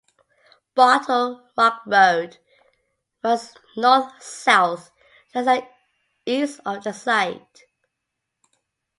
Bottle Rock Road runs north–south less than east of the site.